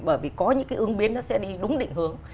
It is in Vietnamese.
bởi vì có những cái ứng biến nó sẽ đi đúng định hướng